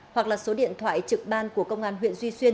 hoặc là số điện thoại trực ban của công an huyện duy xuyên